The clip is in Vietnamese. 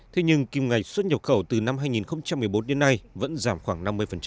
thế nhưng kim ngạch xuất nhập khẩu từ năm hai nghìn một mươi bốn đến nay vẫn giảm khoảng năm mươi